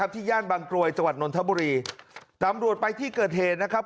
ย่านบางกรวยจังหวัดนนทบุรีตำรวจไปที่เกิดเหตุนะครับ